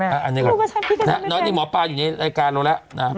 อ้าวเรากับที่หมอปลาอยู่ในรายการนะแป๊บหนึ่ง